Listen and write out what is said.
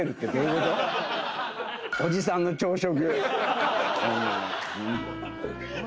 おじさんの朝食。